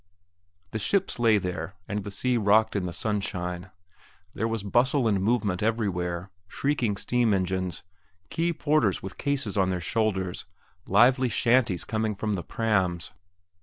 The ships lay there, and the sea rocked in the sunshine. There was bustle and movement everywhere, shrieking steam whistles, quay porters with cases on their shoulders, lively "shanties" coming from the prams.